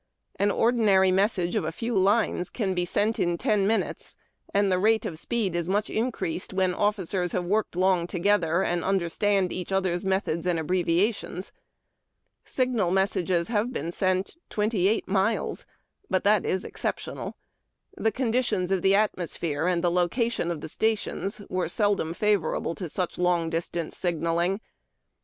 An ordinary message of a few lines can be sent in ten minutes, and the rate of speed is much increased where officers have worked long together, and understand each other's methods and abbreviations. Signal messages have been sent twenty eight miles: but that is exceptional. The conditions of the atmosphere and the location of stations were seldom favorable to such long distance signalling.